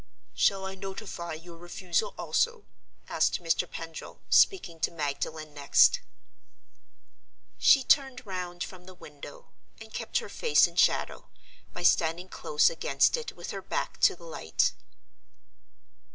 "Shall I notify your refusal also?" asked Mr. Pendril, speaking to Magdalen next. She turned round from the window—but kept her face in shadow, by standing close against it with her back to the light.